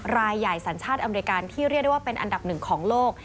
รายใหญ่สัญชาติอเมริกาที่เรียกได้ว่าเป็นอันดับหนึ่งของโลก